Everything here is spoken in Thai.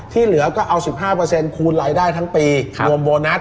ที่เหลือก็เอา๑๕คูณรายได้ทั้งปีรวมโบนัส